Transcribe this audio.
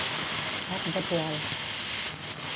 Cap de poal.